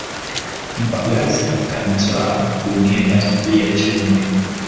Mpagazi kantwaa guniya lya chumvi